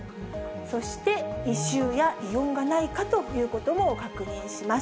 そして異臭や異音がないかということも確認します。